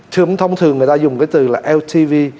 thông thường người ta dùng cái từ là ltv